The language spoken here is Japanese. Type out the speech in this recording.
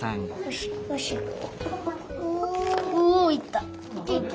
おいった！